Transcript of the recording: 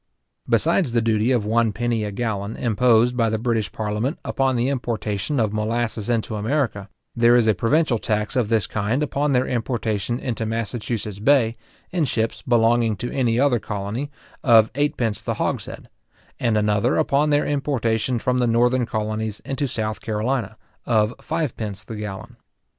Besides the duty of one penny a gallon imposed by the British parliament upon the importation of molasses into America, there is a provincial tax of this kind upon their importation into Massachusetts Bay, in ships belonging to any other colony, of eight pence the hogshead; and another upon their importation from the northern colonies into South Carolina, of five pence the gallon.